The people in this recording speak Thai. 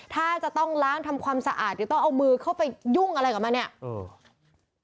ถ้าจะต้องล้างทำความสะอาดหรือต้องเอามือเข้าไปยุ่งอะไรกับมันเนี่ยเออ